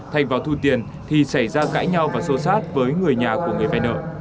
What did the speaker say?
thành vào thu tiền thì xảy ra cãi nhau và xô sát với người nhà của người vay nợ